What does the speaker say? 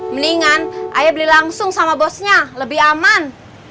mendingan ayo beli langsung sama bosnya lebih aman